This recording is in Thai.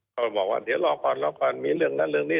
เขาไปบอกว่าเดี๋ยวรอก่อนรอก่อนมีเรื่องนั้นเรื่องนี้